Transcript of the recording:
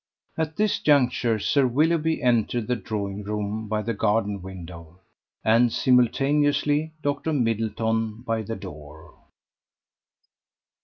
At this juncture Sir Willoughby entered the drawing room by the garden window, and simultaneously Dr. Middleton by the door.